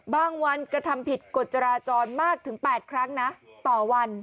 วันกระทำผิดกฎจราจรมากถึง๘ครั้งนะต่อวัน